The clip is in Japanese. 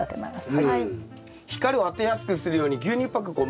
はい。